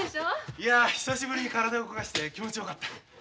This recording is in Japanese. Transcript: いや久しぶりに体動かして気持ちよかった。